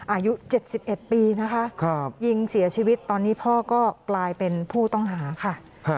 อายุ๗๑ปีนะคะยิงเสียชีวิตตอนนี้พ่อก็กลายเป็นผู้ต้องหาค่ะ